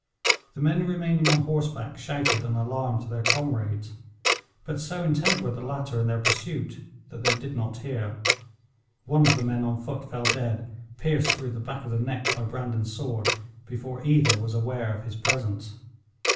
The men remaining on horseback shouted an alarm to their comrades, but so intent were the latter in their pursuit that they did not hear. One of the men on foot fell dead, pierced through the back of the neck by Brandon's sword, before either was aware of his presence.